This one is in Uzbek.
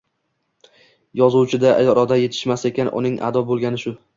Yozuvchida iroda yetishmas ekan, uning ado boʻlgani shu